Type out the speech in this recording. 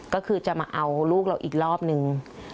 ก็คือจะมาเอาลูกเราอีกรอบนึง